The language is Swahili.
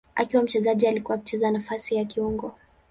Akiwa mchezaji alikuwa akicheza nafasi ya kiungo.